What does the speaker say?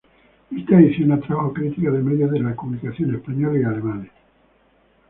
Esta edición atrajo críticas de medios de comunicación españoles y alemanes.